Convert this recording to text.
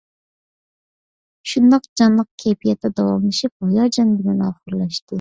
شۇنداق جانلىق كەيپىياتتا داۋاملىشىپ، ھاياجان بىلەن ئاخىرلاشتى.